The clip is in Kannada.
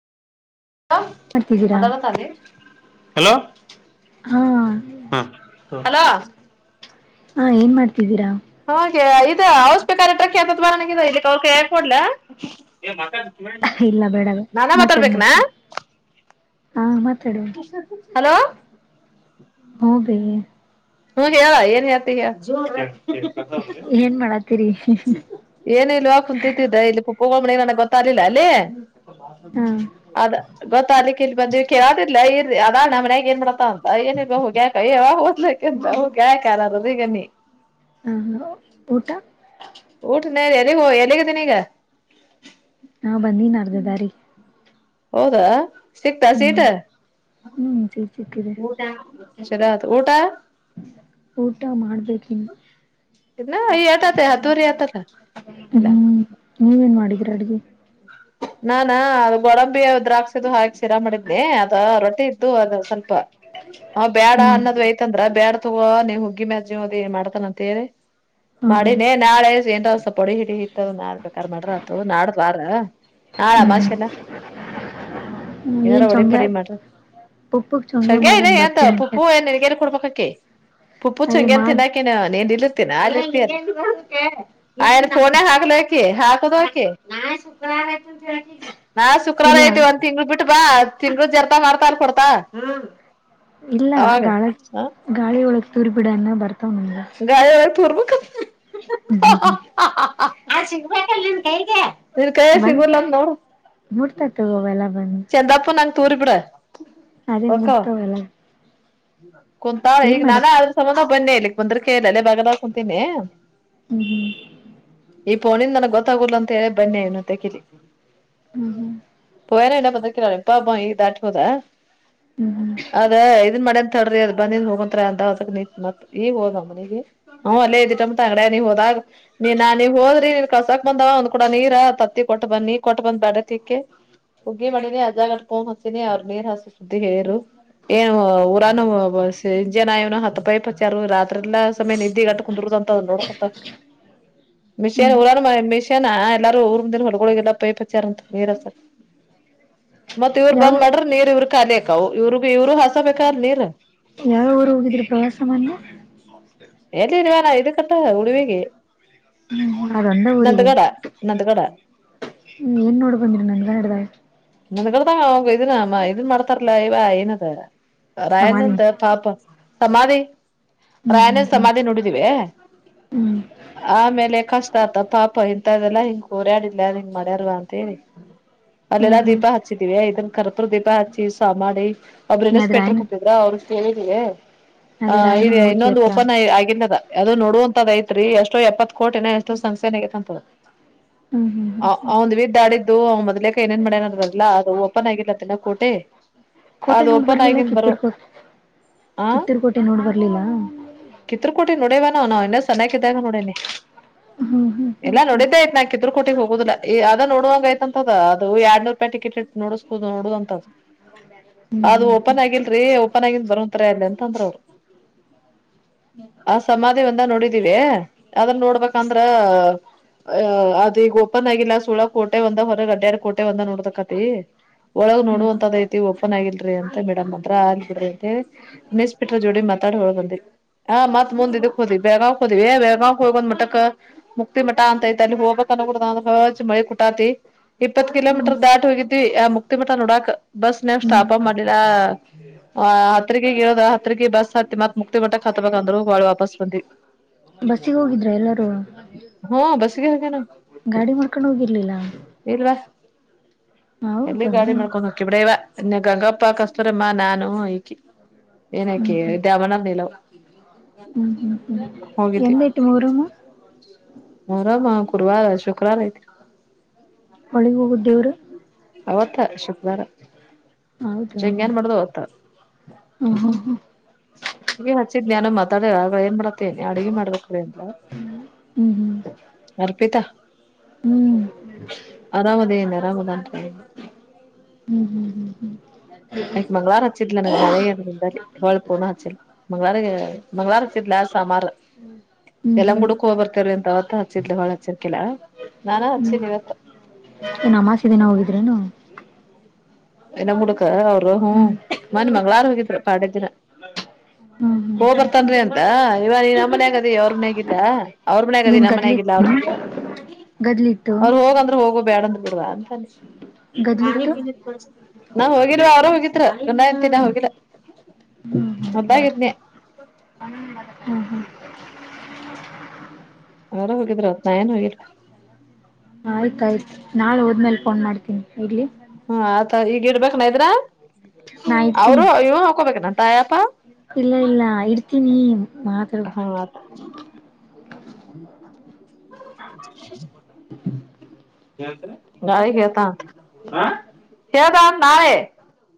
ಮಾಡ್ತಿದ್ದೀರಾ ಮದಾದತದೀ ಹಲೋ ಹಾ ಹ ಹಲೋ. ಹಾ ಏನ್ ಮಾಡ್ತಿದ್ದೀರಾ. [unintelligible] ಇಲ್ಲ ಬೇಡ ನಾನಾ ಮಾತಾಡ್ ಮಾತಾಡ್ಬೇಕನಾ. ಮಾತಾಡ್ ಹಾ ಮಾತಾಡಿ ಹಲೋ ಹೋಗ್ರಿ. ಹ್ಮ್ ಹೇಳ್ ಏನ್ ಹೇಳ್ತಿ. ಹೇ ಏನ್ ಮಾಡತ್ತೀರಿ. ಏನ ಇಲ್ವಾ ಕುಂತಿದ್ದ ಇಲ್ಲಿ ಪುಪ್ಪ [unintelligible] ಗೊತ್ತಾಗ್ಲಿಲ್ಲ ಅಲ್ಲಿೇ. ಹಾ ಅದ ಗೊತ್ತ ಆಲಿಕ್ ಇಲ್ಲಿ ಬಂದಿವಿ ಕೇಳದಿಲ್ಲ ಇರಿ ಅದಾ ನಮ್ಮ ಮನ್ಯಾಗ ಏನ್ ಮಾಡತ ಅಂತ ಏನಿರ್ಬ ಅಯ್ಯೇ ಹೋಗ್ಯಾಕ್ ಯಾವಾಗ ಹೋದ್ಲ. [unintelligible] ಹಾಂ ಊಟ. ಊಟನ ಎಲ್ಲಿಗೋ ಎಲ್ಲಿಗಿದೀನಿ ಈಗ. ಹಾಂ ಬಂದಿನಿ ಅರ್ಧದಾರಿಗಿ. ಹೌದಾ ಸಿಕ್ತಾ ಸೀಟ. ಹ್ಮ್ ಹ್ಮ್ ಸಿಗ್ ಸಿಕ್ಕಿದೆ ಚೊಲೋ ಆಯ್ತ್ ಊಟ. ಊಟ ಮಾಡ್ಬೇಕ ಇನ್ನು. ಇಲ್ಲ ಏಟ್ ಆಯ್ತ್ ಹತ್ತುವರಿ ಆತಲ್ಲ. ಇಲ್ಲ, ಹ್ಮ್ ನೀವೇನ್ ಮಾಡಿದೀರ ಅಡ್ಗಿ. ನಾನ ಅದು ಗೋಡಂಬಿ ದ್ರಾಕ್ಸಿದವು ಹಾಕಿ ಶೀರಾ ಮಾಡಿದ್ನಿ ಅದ ರೊಟ್ಟಿ ಇದ್ದುವು. ಅದು ಸ್ವಲ್ಪ, ಅವ್ ಬೇಡ ಹ್ಮ್ ಅನ್ನೋದು ಐತ್ ಅಂದ್ರ ಬ್ಯಾಡ ತೊಗ ನೀ ಹುಗ್ಗಿ ಮ್ಯಾಲ್ ಜೀವ್ ಅದಿ ಮಾಡ್ತಾನಂತ ಹೇಳಿ. ಹಾ ಹಾ ಮಾಡಿನೇ ನಾಳೆ ಏನ್ರ ಸ್ವಲ್ಪ ವೊಡಿ ಗಿಡಿ ಇಟ್ಟ ಅದು ನಾಳೇ ಬೇಕಾರ್ ಮಾಡ್ರ ಆಯ್ತು. ನಾಡ್ದ್ ವಾರ ನಾಳ ಅಮಾಷ್ ಅಲ್ಲ ಹ್ಮ್ ಏನಾರ ಏನ್ ಒಡಿ ಚೊಂಗ್ಯ ಪಡಿ ಮಾಡ್ರ ಪುಪ್ಪಗ್ ಚೊಂಗ್ಯ ಶಂಕ್ಯ ಇನ ಮಾಡನ್ ಎಂತ ಬರ್ತೀನಿ ಪುಪ್ಪು ಕೆಲ್ಸ ಏನ್ ನನ್ಗೆಲ್ಲಿ ಕೊಡ್ಬುಕ ಅಕ್ಕಿ. [unintelligible] ಅದೇ ಮಾಡ್ ಆಯ್ನ್ ಫೋಣೆ ಹಾಕ್ಲಿ ಹಕಿ ಹಾಕದಕಿ. ನಾಳೆ ಶುಕ್ರಾರ ಇಲ್ಲ ಐತಿ. ಒಂದ್ ತಿಂಗ್ಳ ಬಿಟ್ಟ ಬಾ ತಿಂಗಳ ಜರ್ತಾ ಮಾಡ್ತಾ ಅಲ್ ಕೊಡ್ತಾಳ್ ಹ್ಮ್. ಇಲ್ಲ ಗಾಳ ಗಾಳಿಯೊಳಗ್ ತೂರಿ ಬಿಡನ್ನ ಬರ್ತಾವ್ ನಮ್ಗ. [unintelligible] ಹ್ಮ, ಹ್ಮ, ಹ್ಮ್ ನಾ ಸಿಗ್ಬೇಕನಲ್ ನೀನ್ ಕೈಗಿ ನೀನ್ ಕೈ ಸಿಗಲು ಏನ್ ನೋಡು. ಮುಡ್ತಾ ತಗೋ ಎಲ್ಲ ಬಂದ. [unintelligible] ನಂಗ ತೂರಿ ಬಿಡ ಅದೇ ಹೊಕ್ವ. ಮುಡ್ತಾವಲ್ಲ ಕುಂತಾ ಏನ್ ಈಗ ಮಾಡಕ್ ನಾನೇ ಆದ್ರ ಸಮಬಂಧ ಬನ್ನಿ ಎಲ್ಲಿಕ್ ಬಂದ್ರ ಕ ಹೇಳಲ್ಲ ಬಗದ ಕುಂತೀನಿ. ಹ್ಮ, ಹ್ಮ್ ಈ ಫೋನಿಂದ ನನಗ ಗೊತ್ತಾಗುಲ್ಲ ಅಂತ ಹೇಳಿ ಬನ್ನಿ ನೀನ್ ಅತಕಿ ಇಲ್ಲಿ. ಹ್ಮ್ ಹ್ಮ್ [unintelligible] ಹ್ಮ್ ಹ್ಮ್ ಅದ ಇದನ್ ಮಾಡ್ಯಾನ್ ತಡ್ರಿ ಅದ ಬಂದಿನ್ ಹೋಗತಂತ್ರ ಅಂದ ಅದ ನಿತ್ ಮತ್ತ ಈಗ ಹೋದ ಅವ್ ಮನಿಗಿ. ಹ್ಮ್ ಅಲ್ಲೇ ಇದಿತಂತ ಅಂಗಡ್ಯಗ್ ನೀ ಹೋದಾಗ. ನೀ ನಾ ನೀವ್ ಹೋದ್ರಿ ನೀನ್ ಕಳ್ಸಕ್ ಬಂದವ ಒಂದ್ ಕೂಡ ನೀರ ತತ್ತಿ ಕೊಟ್ಟ ಬಂದ್. ನೀ ಕೊಟ್ಟ ಬಂದ್ ಬಾಂಡೆ ತಿಕ್ಕಿ, ಗೇಮ್ ಮಾಡಿನಿ ಅಜಾಗಕೋೊಂಡ್ ಹಸಿನಿ ಅವ್ರು ನೀರ್ ಹಸ ಸುದ್ದಿ ಹೇಳರು ಏನು ಊರಾನ ಜನ ಇವ್ನ ಹತ್ತ ಪಾಯಿಪ ಹಚ್ಯಾರು ರಾತ್ರಿಯಲ್ಲ ಸಮಯ ನಿದ್ದಿ ಗಟ್ಟ ಕುಂದರುದ ಅಂತ ನೋಡ್ಕೊಂತ. ಮಿಷಿನ್ ಹ್ಮ್ ಹ್ಮ್ ಊರ ಮಿಷನ್ ಎಲ್ಲಾರ ಊರ್ಂದಿನ ಹೊರಗಗೆ ಎಲ್ಲ ಪೈಪಚಾರ ಅಂತ. ಮತ್ ಇವ್ರು ಯಾವ ಬಂದ್ ಮಾಡ್ರ ನೀರ್ ಇವ್ರ ಕಾಲಿಯಕ್ಕವು ಇವ್ರಗ್ ಇವರು ಹಸ ಬೇಕಲ್ ನೀರ್. ಯಾವ ಊರು ಹೋಗಿದ್ರಿ ಪ್ರವಾಸ ಮೊನ್ನ. ಎಲ್ಲಿ ನೀವಾನ ಇ ಕಟ್ಟ ಉಳಿವಿಗೆ ಅದೊಂದ ಊರಿಗೆ ನಂದಗಡ ನಂದ್ಗಡ. [unintelligible] ಹ್ಮ್ ಏನ್ ನೋಡ್ ಬಂದಿ ನನ್ಗ ಇಡದವ. ನಂದ್ಗಡಿದಾಗ ಅವಂಗ ಇದನ್ ಇದನ್ ಮಾಡ್ತಾರಲಾ ಇವ ಏನದು. ಸಮಾಧಿ ರಯನಂದ ಪಾಪ ಸಮಾಧಿ. ಹ್ಮ್ ಹ್ಮ್ ರಾಯಣ್ಣನ್ ಹ್ಮ್ ಸಮಾಧಿ ನೋಡಿದೀವಿ ಹ್ಮ್ ಆಮೇಲೆ ಕಷ್ಟ ಆತ ಪಾಪ ಎ. ತದೆಲ್ಲ ಹಿಂಗ ಕೋರ್ಯಾಡಿಲ್ಲ ಅದ್ ಹಿಂಗ ಮಾಡ್ಯಾರಲ್ಲ ಅಂತ ಹೇಳಿ ಅಲ್ಲೆಲ. ಹ್ಮ್ ಹ್ಮ್ ಹ್ಮ್ ಹಚ್ಚಿದ್ದಿವಿ ಇದನ್ ಕರ್ಪುರ ದೀಪ ಹಚ್ಚಿ ಸ ಮಾಡಿ. ಒಬ್ರು ಅದ್ ಇನ್ಸ್ಪೆಕ್ಟರ್ ರಾಯನ ಕುತ್ತಿದ್ರ ಅವರುಷ್ಟ ಹೇಳಿದೀವಿ ಆ ಅದೇ ಇದೆ ರಾಯನನ್ ಮೂರ್ತಿ ಇನ್ನೊಂದು ಹತ್ರ ಓಪನ್. ಆಗಿಲ್ಲದ ಅದು ನೋಡುವಂತದ್ ಐತ್ರಿ ಎಷ್ಟೋ ಎಪ್ಪತ್ ಕೋಟಿನ ಎಷ್ಟೋ ಸಂಸೆ ಏ ಆಗೈತ್ಂತ ಹ್ಮ್ ಹ್ಮ್ ಹ್ಮ್ ಹ್ಮ್ ಅವನ್ದು ವಿದ್ದಾಡಿದ್ದು ಮೊದ್ಲೆಕ ಏನೆನ್ ಮಾಡ್ಯನ. ಲ್ಲ ಅದು ಓಪನ್ ಆಗಿಲ್ಲ ತಿಿನ ಕೋಟಿ ಕೋಟೆ ಅದು ನೋಡ್ ಓಪನ್ ಆಗನ್ ಬರುವ. ಕಿತ್ತೂರು ಕೋಟೆ ನೋಡ್ ಬರ್ಲಿಲ್ಲ ಕಿತುರ್ ರ್ಕೊಟೆ ನೋಡವ ನಾ ಇಲ್ಲ ಸನಕಿ ಇದಾಗ ನೋಡೇನೆ ಹ್ಮ್ ಹ್ಮ್ ಎಲ್ಲಾ ಹ್ಮ್ ನೋಡಿದ್ದೆ ಆಯತ್ ನಾ ಕಿತ್ತೂರ್ ಕೋಟಿಗೆ ಹೋಗುದಿಲ್ಲಾ ಈ ಅದ ನೋಡುವಂಗ ಆಯ್ತಂತದ ಅದು ಎರಡ್ನೂರು ರೂಪಾಯಿ ಟಿಕೆಟ್ ಇ ನೋಡಸ್ ನೋಡುದ ಅಂತದ ಅದು ಓಪನ್ ಆಗಿಲ್ರಿ ಓಪನ್ ಆಗಿಂದ ಬರಂತರ ಅಲ್ಲಿ ಎಂತಂದ್ರ ಅವರು [unintelligible] ಅವ್ರ್ ಸಮಾಧಿ ಒಂದ ನೋಡಿದೀವಿ ಅದ್ರ ನೋಡ್ಬೇಕಂದ್ರ ಅ ಅದ ಈಗ ಓಪನ್ ಆಗಿಲ್ಲ ಸುಳ ಕೋಟೆ ಒಂದ ಹೊರಗೆ ಅಡ್ಡಡ್ ಕೋಟೆ ಒಂದ ನೋಡತ ಕತಿ ಒಳಗ ನೋಡುವಂತದೈತಿ ಓಪನ್ ಆಗಿಲ್ರಿಿ ಅಂತ ಮೇಡಮ್ ಅದ್ರ ಆಯ್ತ್ ಬಿಡ್ರಿ ಅಂತ ಹೇಳಿ ನೆಸ್ಪಿಟ್ರ ಜೋಡಿ ಮಾತಾಡಿ ಹೊರಾಗ್ ಬಂದಿ ಹಾ ಮತ್ ಮುಂದ್ ಇದಕ್ ಹೋದ್ವಿ ಬೆಳ್ಗಾವ್ ಹೊದ್ವಿ ಬೆಳ್ಗಾವ್ ಹೋಗಿ ಬಂದ್ ಮಟ್ಟಕ್ಕ ಮುಕ್ತಿ ಮಠ ಅಂತ ಐತ್ ಅಲ್ಲಿ ಹೋಗ್ಬೇಕ್ ಅೂಜ್ ಮಳಿ ಕುಟಾತಿ ಇಪ್ಪತ್ತು ಕಿಲೋಮೀಟರ್ ದಾಟ ವಿ ಆ ಮುಕ್ತಿ ಮಠ ನೋಡಾಕ್ ಬಸ್ ನವ್ ಹ್ಮ್ ಸ್ಟಾಪ್ಪ್ ನಾ ಮಾಡ್ಲಿಲ್ಲ ಆ ಹಾತ್ರಿಗಿರೋಧ ಹತ್ರಿಗೆ ಬಸ್ ಹತ್ತತಿ ಮತ್ ಮುಕ್ತಿ ಮಟ್ಟಕ್ ಹತ್ತಬೇಕಂದ್ರರು ಬಾಳಿ ವಾಪಸ್ ಬಂದಿ ಬಸ್ಸಿಗೆ ಹೋಗಿದ್ರ ಎಲ್ಲರೂ ಹಾ ಬಸ್ಸಿಗೆ ಹೋಗ್ಯಾವ ನಾವ್ ಗಾಡಿ ಮಾಡ್ಕೊಂಡು ಹೋಗಿರ್ಲಿಲ್ಲ ಎಲ್ಲಿ ಹೌದಾ ಗಾಡಿ ಹ್ಮ್ ಮಾಡ್ಕೊಂಡ್ ಹೋಗಕಿ ಬಿಡ ಇವ ಗಂಗಪ್ಪ ಕಸ್ತರಮ್ಮ ನಾನು ಇಕಿ ಹ್ಮ್ ಏನಕೆ ದಾಮನ ನೀಲ [unintelligible] ಹ್ಮ್ ಹ್ಮ್ ಹ್ಮ್ ಹೋಗಿದ್ವಿ ಎಂದ್ ಐತಿ ಮೊಹರಂ ಮೊಹರಂ ಗುರುವಾರ ಶುಕ್ರಾವಾರ ಐತಿ ಒಳಿಗ್ ಹೋಗುದ ದೇವ್ರು ಅವತ್ತಾ ಶುಕ್ರವಾರ ಹೌದಾ ಚೆಂಗನ್ ಮಾಡೋದು ಅವತ್ತ ಹ ಹ ಹ ಹಗೆ ಹಚ್ಚಿದ್ ನಾನು ಮಾತಾಡ ಆಗ ಏನ್ ಮಾಡತ್ತೇನಿ ಅಡ್ಗೆ ಮಾಡ್ಬೇಕ ಅಂತ ಹ್ಮ್ ಹ್ಮ್ ಅರ್ಪಿತಾ ಹ್ಮ್ ಹ್ಮ್ ಆರಾಮದೇ ಏನ್ ಅರಾಮದನ್ ಹ್ಮ [inaudible] ಹ್ಮ್ ಹ್ಮ್ ಹ್ಮ್ ಹ್ಮ್ ಆಕಿ ಮಂಗಳರ ಹಚ್ಚಿದ್ಲ ನಾಳೆ ಎಂಟ್ ದಿನದಲ್ಲಿ ಪೂರ್ಣ ಹಚ್ಚಿಲ್ಲ [unintelligible] ಹ್ಮ್ ಹ್ಮ್ ಯಲ್ಲಮ್ಮ ಹ್ಮ್ ಗುಡ್ಡಕ್ ಹೋಗಿ ಬರ್ತೇವ್ರಿ ಅಂತ ಅವತ್ತ ಹಚ್ಚಿದ್ಲಿ ಹೊಳ್ಳಿ ಹಚ್ಚಿರ್ಕಿಲ್ಲಾ ನಾನ ಹಚ್ಚಿನಿ ಇವತ್ತ್. ಏನ್ ಅಮಾವಾಸ್ಯೆ ದಿನ ಹೋಗಿದ್ರೇನ್ ನೀವ್. ಯಲ್ಲಮ್ಮ ಗುಡ್ಡಕ್ ಅವರ ಹು ಹ್ಮ್ ಮನ್ನೆ ಮಂಗಳಾರ್ ಹೋಗಿದ್ರ ಪಾಡ್ಯ ದಿನ. ಹ್ಮ್ ಹ್ಮ್ ಹೋಗ ಹ್ಮ್ ಹ್ಮ್ ಬರ್ತಾನ್ರಿ ಅಂತ ಇವಗ್ ನೀ ನಮ್ಮ ಮನ್ಯಾಗ್ ಅದಿ ಅವ್ರ ಮನ್ಯಾಗಿಲ್ಲ ಅವ್ರ ಮನ್ಯಾಗದಿ ಏನ್ ನಮ್ಮ ಗದ್ಲಿ ಮನ್ಯಾಗಿಲ್ಲ [unintelligible] ಗದ್ಲಿತ್ತು ಅವರು ಹೋಗಂದ್ರೆ ಹೋಗ ಬ್ಯಾಡಂದ್ರ ಬಿಡುದ ಅಂತ ಅನಿಸ್ತ್. ಗದ್ಲಿತ್ತು ನಾ ಹೋಗಿಲ್ವ ಅವರು ಹೋಗಿದ್ರ ಗಂಡಾ ಹೆಂಡತಿ ಹೋಗಿಲ್ಲ ಹೊಲ್ದಾಗ್ ಇದ್ದೀನ್ಯಾ. ಹ್ಮು ಹ್ಮು. ಅವರ ಹೋಗಿದ್ರ ಅತ್ ನಾ ಏನ್ ಹೋಗಿಲ್ಲ. ಆಯ್ತ ಆಯ್ತ್ ನಾಳೆ ಹೋದ್ಮೇಲೆ ಫೋನ್ ಮಾಡ್ತೀನಿ ಇಡ್ಲಿ. ಹು ಆತ ಈಗ ಇಡ್ಬೇಕನ ಇದ್ರ ನಾ ಅವರು ಇಡ್ತೀನಿ ಇವ ಹಾಕೊಬೇಕನ ತಾಯಪ್ಪ. ಇಲ್ಲ ಇಲ್ಲ ಇಡ್ತೀನಿ ಮಾತಾಡ್ಬ ಆತ್ [unintelligible] [unintelligible] ನಾಳಿಗಿ ಹೇಳ್ತಾನ್ ಹೇಳ್ತಾನತ್ತ್ ನಾಳಿ.